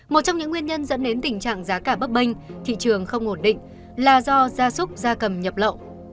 một trong những nguyên nhân dẫn đến tình trạng giá cả bấp bênh thị trường không ổn định là do gia súc gia cầm nhập lậu